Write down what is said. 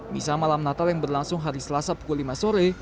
misa malam natal yang berlangsung hari selasa pukul lima sore